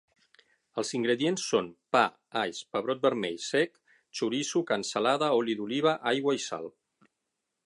Els ingredients són pa, alls, pebrot vermell sec, xoriço, cansalada, oli d'oliva, aigua i sal.